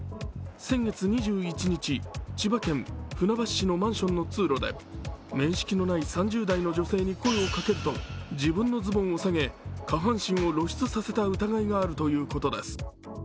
先月２１日、千葉県船橋市のマンションの通路で面識のない３０代の女性に声をかけると自分のズボンを下げ、下半身を露出させた疑いがあるということです。